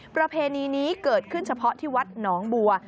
ประเพณีนี้เกิดขึ้นเฉพาะที่วัดหนองบัว